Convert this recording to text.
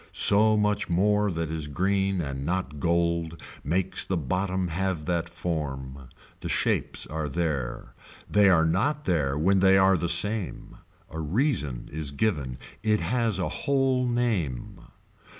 So much more that is green and not gold makes the bottom have that form. The shapes are there. They are not there when they are the same. A reason is given. It has a whole name.